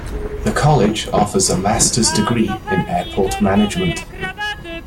The college offers a master's degree in Airport Management.